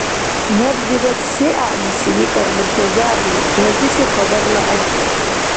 — Набзибад се гӀягӀниси? — викӀар МуртазагӀяли разиси хабарла гӀергъи.